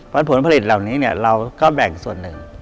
เพราะผลผลิตเหล่านี้เราก็แบ่งส่วนหนึ่ง